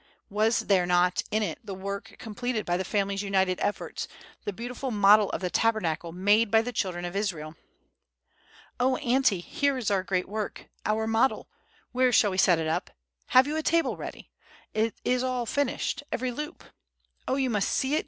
—was there not in it the work completed by the family's united efforts, the beautiful model of the Tabernacle made by the children of Israel! "Oh, auntie, here is our great work—our model! Where shall we set it up? Have you a table ready? It is all finished—every loop! Oh, you must see it!